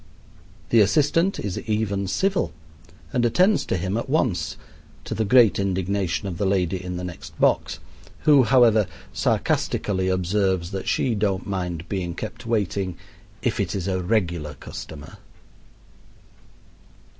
The assistant is even civil and attends to him at once, to the great indignation of the lady in the next box, who, however, sarcastically observes that she don't mind being kept waiting "if it is a regular customer."